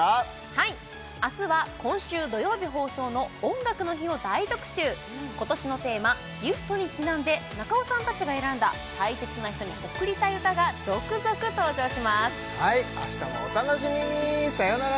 はい明日は今週土曜日放送の「音楽の日」を大特集今年のテーマ「ＧＩＦＴギフト」にちなんで中尾さんたちが選んだ大切な人に贈りたい歌が続々登場しますあしたもお楽しみにさよなら